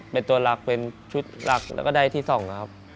เป็นตัวหลักเป็นชุดหลักแล้วก็ได้ที่๒ครับ